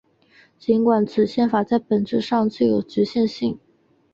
尽管此宪法在本质上具有局限性。